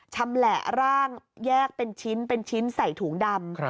ชำแหละร่างแยกเป็นชิ้นเป็นชิ้นใส่ถุงดำ